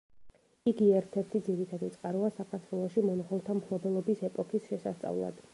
იგი ერთ-ერთი ძირითადი წყაროა საქართველოში მონღოლთა მფლობელობის ეპოქის შესასწავლად.